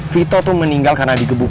vito tuh meninggal karena di jalan